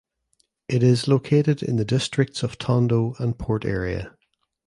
It is located in the districts of Tondo and Port Area.